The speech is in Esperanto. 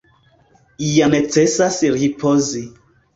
Ja necesas ripozi.